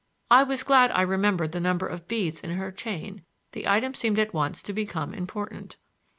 I was glad I remembered the number of beads in her chain; the item seemed at once to become important.